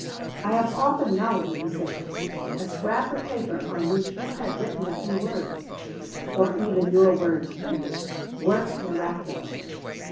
"I have often known," he said, "a scrap of paper on which you had written a few words or even your words printed work miraculously."